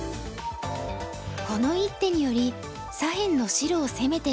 この一手により左辺の白を攻めていくことに成功。